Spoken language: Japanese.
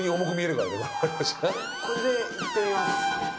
これでいってみます。